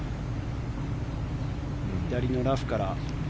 左のラフから。